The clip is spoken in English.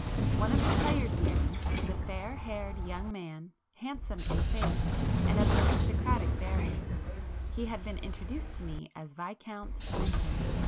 One of the players near me was a fair haired young man, handsome in face and of aristocratic bearing,—he had been introduced to me as Viscount Lynton.